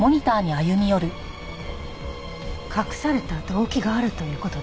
隠された動機があるという事ですか？